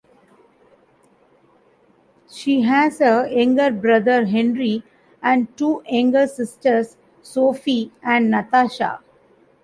She has a younger brother Henry, and two younger sisters, Sofie and Natasha.